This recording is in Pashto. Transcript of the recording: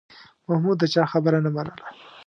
محمود د چا خبره نه منله